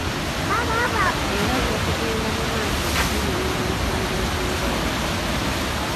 Era ajja kugenda mu maaso okutunnyonnyola ensonga ez'enjawulo.